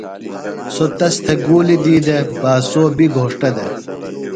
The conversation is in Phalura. سوۡ تس تھےۡ گُولیۡ دی دےۡ باسو بیۡ گھوݜٹہ دےۡ۔